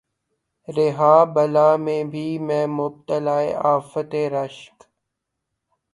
رہا بلا میں بھی میں مبتلائے آفت رشک